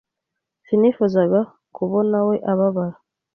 Sinifuzaga kubonawe ababara.